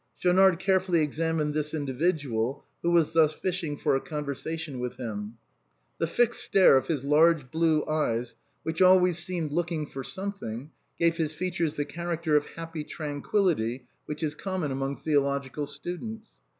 Schaunard carefully examined this individual, who was thus fishing for a conversation with him. The fixed stare of his large blue eyes, which always seemed looking for something, gave his features that character of happy tran quillity which is common among theological students.